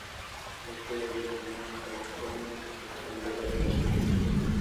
La Escuela de Piano Ada Clement se expandió rápidamente.